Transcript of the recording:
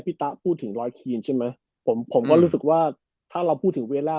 ตะพูดถึงร้อยคีนใช่ไหมผมผมก็รู้สึกว่าถ้าเราพูดถึงเวลา